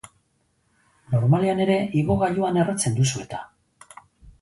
Normalean ere, igogailuan erretzen duzu eta!